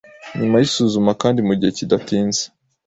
nyuma y'isuzuma kandi mu gihe kidatinze,